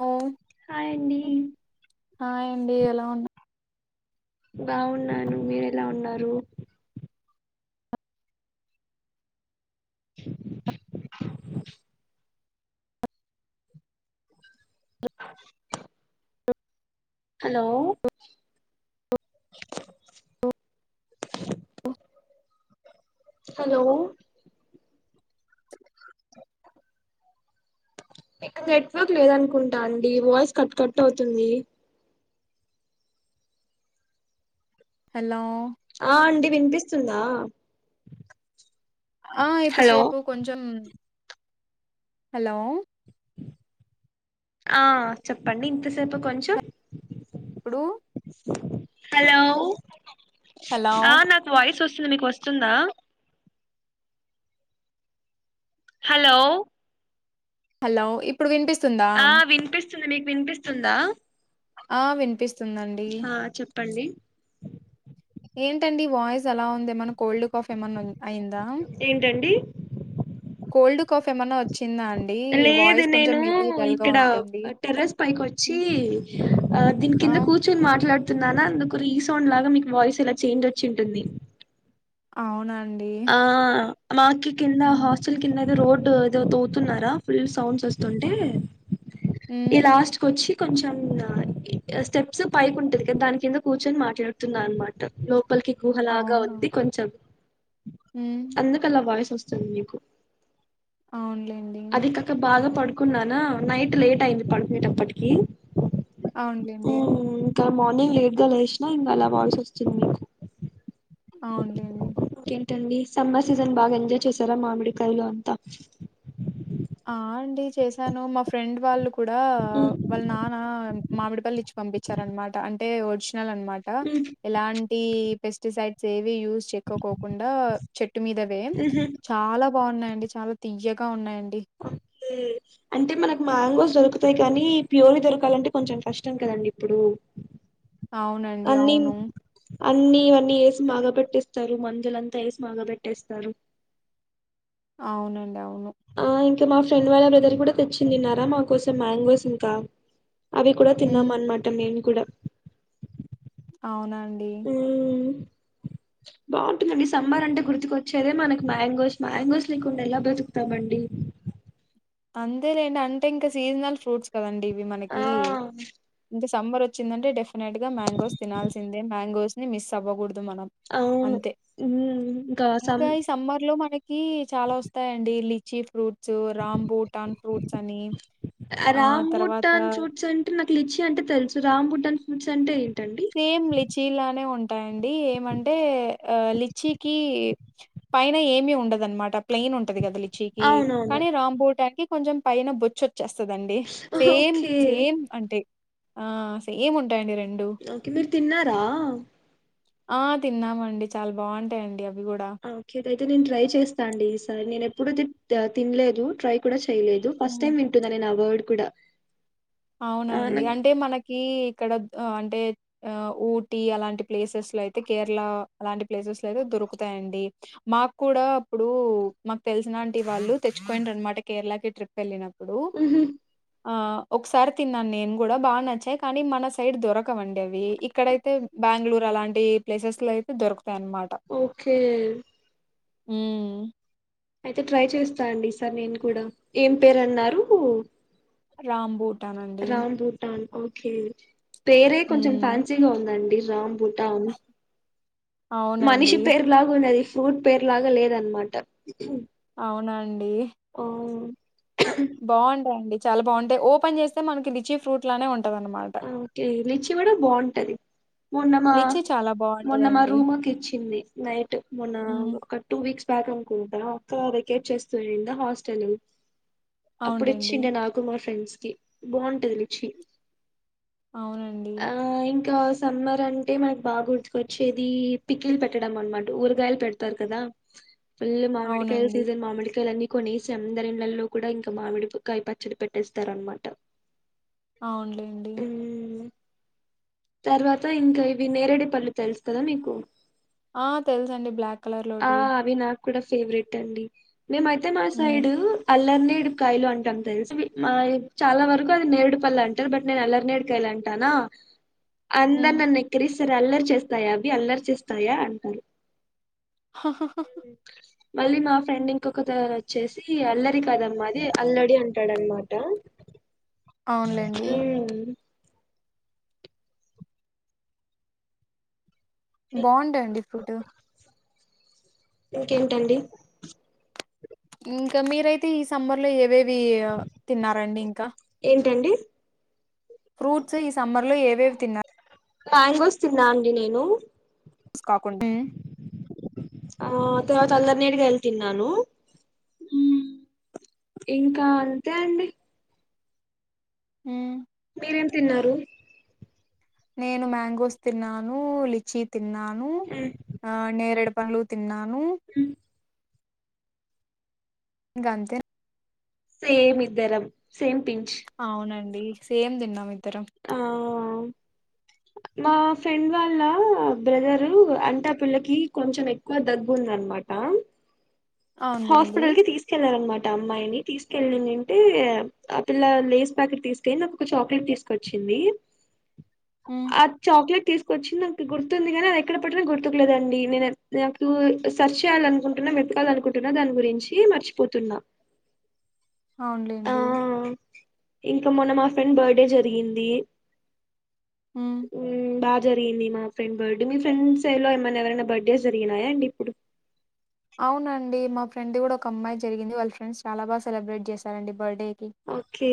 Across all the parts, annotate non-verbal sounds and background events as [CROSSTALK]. ఓ hi అండి hi అండి ఎలా ఉన్నా బావున్నానా అండి మీరు ఎలా ఉన్నారు హలో హలో ఇక్క నెట్వర్క్ లేదనుకుంటా అండి వాయిస్ కట్ కట్ అవుతుంది హలో ఆ అండి వినిపిస్తుందా ఆ ఇప్పుడు హలో సేపు కొంచం హలో ఆ చెప్పండి ఇంతసేపు కొంచెం ప్పుడు హలో హలో ఆ నాకు వాయిస్ వస్తుంది మీకొస్తుందా హలో హలో ఇప్పుడు వినిపిస్ ఆ వినిపిస్తుంది మీక్ వినిపిస్తుందా ఆ వినిపిస్తుందండి ప్పండి ఏంటండి వాయిస్ అలా ఉంది ఏమైన్నా కోల్డ్ కాఫ్ ఏమైన్నా ఏంటండి కోల్డ్ కాఫ్ ఏమన్నా వచ్చి లేదు నేను డల్ గా ఇక్కడ ఉంటుంది టెర్రస్ పైకొచ్చి హ్మ్. ఆ దీనికి కింద కూర్చుని మాట్లాడుతున్నానా అందుకు రీ సౌండ్ లాగా మీకు వాయిస్ ఇలా చేంజ్ వచ్చి ఉంటుంది అవునా ఆ మాకి కింద ఉమ్ హాస్టెల్ కిందైదే రో డ్ ఏదో తవ్వుతున్నారా ఫుల్ సౌండ్స్ వస్తుంటే ఈ లాస్ట్కొచ్చి కొంచెం అ ఈ స్టెప్స్ పైకుంటది కా దాని కింద కూర్చొని మాట్లాడుతున్నా అనమాట లో లోప్పలికి గుహలాగా అవును ఉంది కొంచెం ఉమ్ అందుకలా వాయిస్ అస్ స్తుంది మీకు అవున్లేండి అది కాక బాగా పడుకున్నానా నైట్ లేట్ అయింది పడుకునేటప్పటికి అవున్ డెండి గ మార్నింగ్ లేట్ గా లేషినా ఇంగాలా వాల్సచ్చింది మీకు అవున్లేండి ంటండి సమ్మర్ సీజన్ బాగా ఎంజాయ్ చేసారా మామిడికాయలు అంతా ఆ అండి చేశాను మా ఫ్రెండ్ వాళ్ళు కూడా ఉమ్, వాళ్ళ నాన్న మామిడిపల్లిచ్చి పంపించారన్మాట అంటే ఒర్శినల్ అనమాట ఉమ్, ఎలాంటి పెస్ స్టిసైడ్స్ ఏవి యూస్ చెకోకుండా చెట్టు మీదవే ఉమ్హు. చాలా బాగున్నాయండి చాలా తీయ్యగా ఉన్నాయండి అంటే మనకు మ్యాంగోస్ దొరుకుతాయి కానీ ప్యూర్ దొరకాలంటే కొంచెం కష్టం కదండి ఇప్పుడు ఉ అవునండి అవును అన్ని ఇవన్నీ ఎసి మాగబెట్టేస్తారు మందులంతా ఎసి మాగబెట్టేస్తారు అవునం ఆ ఇంకా మా ఫ్రెండ్ వాళ్ళ బ్రదర్ కూడా తెచ్చిందిన్నారా మా కోసం మ్యాంగోస్ ఇంకా అవి కూడా హ్మ్. తిన్నామన్మాట మేమ్ కూడా అవున అండి [INAUDIBLE] ఈ సమ్మర్ అంటే గుర్తుకువచ్చేదే మనకి మ్యాంగోస్ మ్యాంగోస్ లేకుండా ఎలా బ్రతుకుతామండి [INAUDIBLE] అంతే లేండి అంటే ఇంకా సీజనల్ ఫ్రూట్స్ కదండి ఇవి ఆ మనకి సమ్మర్ వచ్చిందంటే డెఫినెట్గా మ్యాంగోస్ తినాల్సిందే మ్యాంగోస్ ని మిస్ అవ్వకూడదు మనం అవును అంతే ఉమ్ ఇంకా ఈ సమ్మర్ లో మనకి కీ చాలా వస్తాయండి లిచి ఫ్రూట్స్ బూటాన్ ఫ్రూట్స్ అని ఆ తర్వాత లీచీ అంటే తెలుసు రాంబుట్టన్ ఫ్రూట్స్ అంటే ఏంటండి సేమ్ లిచీలానే ఉంటాయండి ఏమంటే ఆ లిచీకి పైన ఏమి ఉండదనమాట ప్లెయిన్ ఉంటది కదా లిచీకి అవునవును కానీ రాంబోటానికి కొంచెం పైన బొచ్చొచ్చేస్తుదండి సేమ్ ఓకే సేమ్ అంటే ఆ సేమ్ ఉంటాయండి రెండు ఓకే మీరు తిన్నారా ఆ తిన్నామండి చాలా బాగుంటాయండి అవి కూడా ఓకే అయితే నేను ట్రై చేస్తా అండి ఈసారి నేను ఎప్పుడు తినలేదు ట్రై కూడా చెయ్యలేదు చేయలేదు ఫస్ట్ హ్మ్. టైమ్ వింటున్నా నేను ఆ వర్డ్ కూడా ఆ అవునండి నాకు- అంటే మనకి ఇక్కడ అంటే ఆ ఊటీ అలాంటి ప్లేసెస్ లో అయితే కేరళ అలాంటి ప్లేసెస్ లో అయితే దొరుకుతాయండి మాకు కూడా అప్పుడు మాకు తెలిసిన ఆంటీ వాళ్ళు తెచ్చుకోయిండ్రు అనమాట కేరళకి ట్రిప్ వెళ్ళినప్పుడు హుమ్ ఒకసారి తిన్నాను నేను కూడా బాగా నచ్చాయి కానీ మన సైడ్ దొరకవండి అవి ఇక్కడైతే బెంగళూరు అలాంటి ప్లేసెస్ లో అయితే దొరుకుతుంది ఓకే హు అయితే ట్రై చేస్తా అండి ఈసారి నేను కూడా ఏం పేరు అన్నారు రాంబూటానండి. రాంభూటన్ పేరే కొంచం హ్మ్. ఫ్యాన్సీగా ఉందండి రామ్ భుట్టాన్ మనిషి అవునండి. పేరు లాగా ఉండది ఫ్రూట్ పేరు లాగా లేదన్నమాట అవునా అవును బాగుంటాయిండి చాలా బాగుంటాయి ఓపెన్ చేస్తే మనకి లీచి ఫ్రూట్ లానే ఉంటాయి ఆ ఓకే లిచి కూడా బాగుంటది మొన్న మా లిచీ చాలా మొన్న మా బావుంటదండి. రూమ్ అక్క ఇచ్చింది నైట్ మొన్న హ్మ్. ఒక టూ వీక్స్ బ్యాక్ అనుకుంటా అక్క వెకేట్ చేస్తూనింద హాస్టల్ అప్పుడు అవునులెండి. ఇచ్చిండే నాకు మా ఫ్రెండ్స్ కి బాగుంటది లిచి అవునండి. ఆ ఇంకా సమ్మర్ అంటే మనకు బాగా గుర్తుకొచ్చేది పిక్కిల్ పెట్టడం అనమాట ఊరగాయలు పెడతారు కదా ఫుల్ మామిడికాయల అవునండి. సీజన్ మామిడికాయలు అన్ని కొనేసి అందరిళ్లలో కూడా ఇంకా మామిడికాయ పచ్చడి పెట్టేస్తారు అన్నమాట అవున్లే తర్వాత ఇంకా ఇవి నేరడీపళ్ళు తెలుసు కదా మీకు ఆ తెలుసు అండి బ్లాక్ కలర్ ఆ లోటివి అవి నాకు కూడా ఫేవరెట్ అండి మేమైతే మా హ్మ్. సైడ్ అల్లని మీరేడికాయలు అంటం తెలుసా మా చాలా వరకు అది నేరేడు పళ్ళు అంటారు బట్ నేను అల్లరినేడుకాయలు అంటాన అందరు హ్మ్. నన్ను ఎక్కిరిస్తారు సరే అల్లరి చేస్తాయా అవి అల్లరి చేస్తాయా అంటారు మళ్ళీ మా ఫ్రెండ్ ఇంకొకతను వచ్చేసి అల్లరి కదమ్మా అది అల్లడి అంటాడనమాట. అవునులేండి ఊమ్ బావుండే అండి ఫోటో ఇంకేంటండి ఇంకా మీరయితే ఈ సమ్మర్ లో ఏవేవి అ తిన్నారండి ఇంకా? ఏంటండి ఫ్రూట్స్ ఈ సమ్మర్లో ఏవేవి తిన్నా మ్యాంగోస్ తిన్నా అండి నేను స్ కాకుండే ఆ తర్వాత అల్లనేరేడు కాయలు తిన్నాను ఉమ్ ఇంకా అంతే అండి హు మీరేం తిన్నారు? నేను మ్యాంగోస్ తిన్నాను, లిచీ తిన్నాను. ఆ నేరేడు పండ్లు తిన్నాను. ఇంగంతే సేమ్ ఇద్దరం సేమ్ పించ్ అవునండి సేమ్ తిన్నామిద్దరం మ్యాగీ మా ఫ్రెండ్ వాళ్ళ బ్రదరు అంటే ఆ పిల్లకి కొంచెం ఎక్కువ దగ్గు ఉందన్న మాట అవునులేండి హాస్పిటల్కి తీసుకెళ్లారన్నమా ట అమ్మాయిని తీసుకెల్లి ఉండింటే ఆ పిల్ల లేస్ ప్యాకెట్ తీసుకొని నాకు ఒక చాక్లట్ తీసు కొచ్చింది హ్మ్. ఆ చాక్లెట్ తీసుకొచ్చింది నాకు గుర్తుంది గానీ అది ఎక్కడ పెట్టానో గుర్తుకులేదండి. నేనన్ నాకు సర్చ్ చేయాలనుకుంటు న్నా వెతకాలి అనుకుంటున్నా దాని గురించి మర్చిపోతున్నా ఆ అవునులేండి ఇంకా మొన్న మా ఫ్రెండ్ బర్త్డే జరిగింది. ఉమ్ ఊ బా జరిగింది మా ఫ్రెండ్ బర్త్డే. మీ ఫ్రెండ్స్ ఏమన్నా ఎవరైనా బర్త్డేస్ జరిగినాయ అండి ఇప్పుడు? అవునండి మా ఫ్రెండ్ది కూడా ఒక అమ్మాయి జరిగింది. వాళ్ళ ఫ్రెండ్స్ చాలా బాగా సెలబ్రేట్ చేశారండి బర్త్డే. ఓకే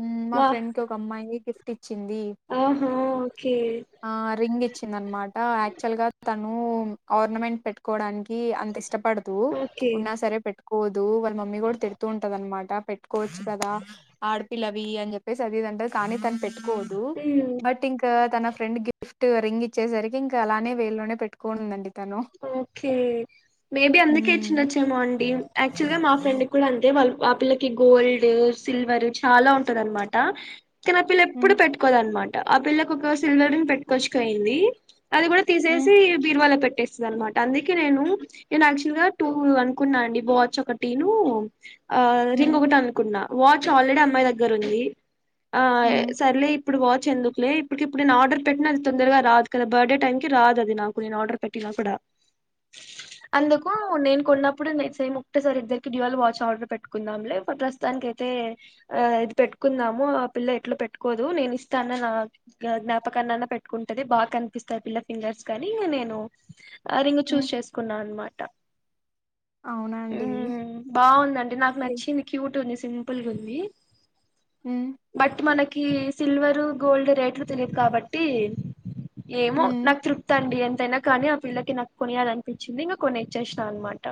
ఊమ్ మా వా ఫ్రెండ్ కి ఒక అమ్మాయి గిప్ట్ ఇచ్చింది. ఆహా ఓకే ఆ రింగ్ ఇచ్చింది అనమాట యాక్చువల్ గా తను ఓర్నమెంట్ పెట్టుకోవడానికి అంత ఇష్టపడదు. ఓకే ఉన్నా సరే పెట్టు కోదు వాళ్ళ మమ్మీ కూడా తిడుతూ ఉంటది అనమాట పెట్టుకోవచ్చు కదా ఆడపిల్లవి అని చెప్పేసి అది ఇది అంటది. కానీ తాను పెట్టుకోదు మ్మ్. బట్ ఇంకా తన ఫ్రెండ్ గిఫ్ట్ రింగ్ ఇచ్చేసరికి ఇంకా అలానే వేల్లోనే పెట్టుకోనుందండి. తను ఓకే మేబీ అందుకే హ్మ్ ఇచ్చుండచ్చేమో అండి. యాక్చువల్ గా మా ఫ్రెండ్ కు కూడా అంతే వాళ్ ఆ పిల్లకి గోల్డ్, సిల్వర్ చాలా ఉంటదన్నమాట. కానీ ఆ పిల్ల ఎప్పుడు హ్మ్ పెట్టుకోదనమాట. ఆ పిల్లకు ఒక సిల్వర్ రింగ్ పెట్టుకొచ్చుకుపోయింది. అది కూడా హ్మ్ తీసేసి బీర్వాల పెట్ స్లనమాట అందుకే నేను నేను యాక్చువల్ గా టూ అనుకున్నా అండి. వాచ్ ఒకటీను ఆ హ్మ్ రింగ్ ఒకటి అనుకున్నా. వాచ్ ఆల్రెడీ అమ్మాయి దగ్గర ఉంది ఆ హ్మ్ సర్లే ఇప్పుడు వాచ్ ఎందుకులే ఇప్పడికి ఇప్పుడు నేను ఆర్డర్ పెట్టిన అది తొందరగా రాదు కద బర్త్డే టైంకి రాదు అది నాకు నేను ఆర్డర్ పెట్టి. టిలప్పుడా. అందుకు నేను కొన్నప్పుడు నేను సేమ్ ఒకటేసారి ఇద్దరికి డ్యూయల్ వాచ్ ఆర్డర్ పెట్టుకుందాంలే ప్రస్తుతానికి. అయితే ఆహ్ అది పెట్టుకుందాము ఆ పిల్ల ఎట్లో పెట్టుకోదు నేను ఇస్తా అన్న నా జ్ఞాపక. కనాన్న పెట్టుకుంటది బాగా కనిపిస్తాది పిల్ల ఫింగర్స్ కానీ ఇంక నేను. ఆ రింగ్ హ్మ్ చూస్ చేసుకున్నా అన్నమాట. అవునండి ఉమ్ బాగుందండి నాకు నచ్చింది క్యూట్ ఉంది. సింపుల్గుంది హ్మ్ బట్ మనకి. కి సిల్వరు గోల్డ్ రేట్లు తెలియదు కాబట్టి. ఏమో హ్మ్ నాకు తృప్తి అండి అం. కానీ ఆ పిల్లకి నాకు కొనియాలనిపించింది ఇంక కొన్నిచ్చేసినా అనమాట.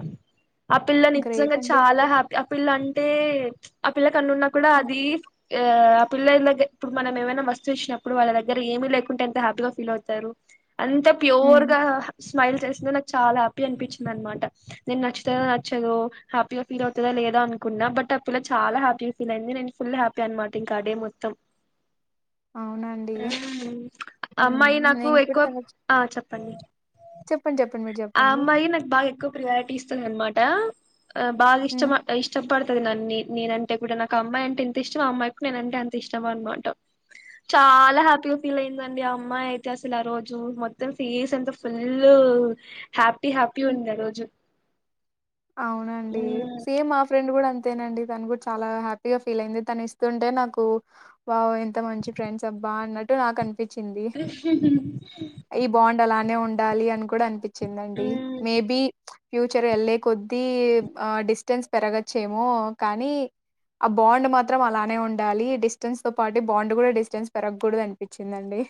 ఆ పిల్ల గ్రేట్ నిజంగా అండి చాలా మీరు హ్యాపీ ఆ పిల్ల అంటే ప్చ్ ఆ పిల్లకన్ను ఉన్నా కూడా అది. ఆహ్ ఆ పిల్ల దగ్గర ఇప్పుడు మన ఏమైనా వస్తువు చూసినప్పుడు వాళ్ళ దగ్గర ఏమీ లేకుంటే ఎంత హ్యాపీగా ఫీల్ అవుతారు. అంత ప్యూర్. హ్మ్ గా స్మైల్ చేసింది నాకు చాలా హ్యాపీ అనిపించింది అనమాట నేను నచ్చుతదో నచ్చదో హ్యాపీగా ఫీల్ అవుతదో. ఏదో అనుకున్నా బట్ ఆ పిల్ల చాలా హ్యాపీ ఫీల్ అయింది నేను ఫుల్ హ్యాపీ అనమాట ఇంకా ఆ డే మొత్తం. అవునండి ఉమ్ ఆ హ్మ్ అమ్మాయి నాకు నేను కూడా ఎక్కువ తన ఆహ్ చెప్పు. పన్నీర్. చెప్పండి చెప్పండి మీరు ఆ చెప్పండి అమ్మాయి నాకు బాగా ఎక్కువ ప్రియారిటీ ఇస్తుంది అనమాట. ఆహ్ బాగా ఇష్టమ హ్మ్ ఇష్టపడు. నన్నీ నేనంటే కూడా నాకు అమ్మాయి అంటే ఇంత ఇష్టమో ఆ అమ్మాయికి కూడా నేనంటే అంత ఇష్టమనమాట. చాలా హ్యాపీగా ఫీల్ అయిందండి ఆ అమ్మాయి అయితే అసలు ఆ రోజు మొత్తం ఫేస్ అంత ఫుల్. హ్యాపీ హ్యాపీ హ్మ్ ఉంది ఆ రోజు. అవునండి ఉమ్ సేమ్ మా ఫ్రెండ్ కూడా. అంతేనండి తను కూడా చాలా హ్యాపీగా ఫీల్ అయింది తను ఇస్తుంటే నాకు వావ్ ఎంత మంచి ఫ్రెండ్స్. బాగున్నట్టు నాకు అనిపించింది ఏ బాగుండాల. నే ఉండాలి అని కూడా అనిపించింది అండి మే బి ఫ్యూచర్ వెళ్ళే. కొద్ది ఆ డిస్టెన్స్ పెరగచ్చేమో కానీ. ఆ బాండ్ మాత్రం అలానే ఉండాలి ఈ డిస్టెన్స్ తో పాటు బాండ్ కూడా డిస్టెన్స్ పెరగకూడదు అనిపించింది. పించిందండీ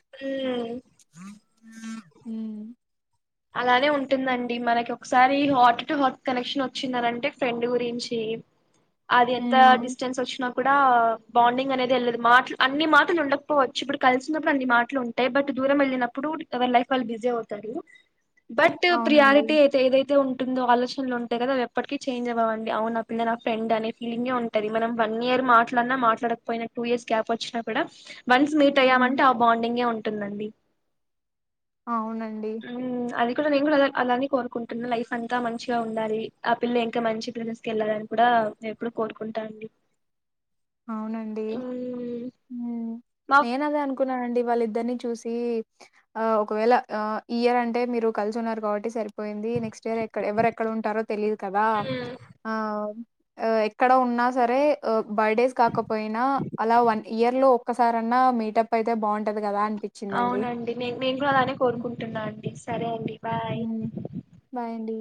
ఉమ్. అలానే ఉంటుందండి మనకి ఒకసారి హాట్ టు హాట్ కనెక్షన్ వచ్చిందనంటే ఫ్రెండ్ గురించి. అది ఎంత హ్మ్. డిస్టెన్స్ వచ్చినా. కూడా బాండింగ్ అనేది వెళ్ళదు మాటలు అన్ని మాటలు ఉండకపోవచ్చు ఇప్పుడు కలిసి ఉన్నప్పుడు అన్ని మాటలు ఉంటాయి బట్. దూరం వెళ్ళినప్పుడు ఎవరి లైఫ్ వాళ్ళు బిజీ అవుతారు బట్ అవునండి. ప్రియారిటీ అయితే ఏదైతే ఉం. ఉంటుందో ఆలోచనలు ఉంటాయి కదా అవి ఎప్పటికీ చేంజ్ అవ్వవండి అవును నా పిల్ల నా ఫ్రెండ్ అనే ఫీలింగే ఉంటది మనం వన్ ఇయర్. మాట్లాడినా మాట్లాడకపోయినా టూ ఇయర్స్ గ్యాప్ వచ్చినా కూడా. వన్స్ మీట్ హ్మ్. అయ్యామంటే ఆ బాండింగే ఉంటుందండి. అవునండి. ఉమ్, అది కూడా నేను కూడా అలానే కోరుకుంటున్నా లైఫ్ అంతా మంచిగా ఉండాలి ఆ పిల్ల ఇంకా మంచి [UNINTELLIGIBLE] వెళ్ళాలి ఆహ్ నేను ఎప్పుడు కోరుకుంటా అండి. అవునండి ఉమ్, ఉమ్ మా నేనదే అనుకున్నానండి. వాళ్ళిద్దరిని చూసి ఆహ్ ఒకవేళ ఈ ఇయర్ అంటే మీరు కలిసి ఉన్నారు కాబట్టి సరి. పోయింది నెక్స్ట్ ఇయర్ ఎవరు ఎక్కడ ఉంటారో తెలిదు కదా ఉమ్, ఆహ్ ఎక్కడ ఉన్నా సరే ఆహ్ బర్త్డేస్. కాకపోయినా అలా వన్ ఇయర్ లో ఒక్కసారన్నా మీటప్ అయితే బాగుంటది కదా అని. అవునండి నే నేన్ గుడ అలానే కోరుకుంటున్నా అండి సరే అండి. బాయ్ మ్ బాయండి.